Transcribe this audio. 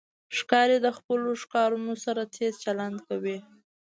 ښکاري د خپلو ښکارونو سره تیز چلند کوي.